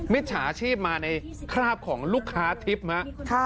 มิจฉาชีพมาในคราบของลูกค้าทิพย์มั้ยฮะ